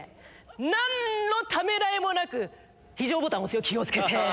何のためらいもなく非常ボタン押すよ気を付けて！